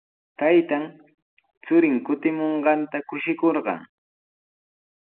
Taytan churin kutimunqanta kushikurqan.